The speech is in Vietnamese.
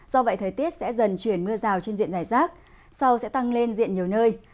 do vậy thời tiết sẽ dần chuyển mưa rào trên diện giải rác sau sẽ tăng lên diện nhiều nơi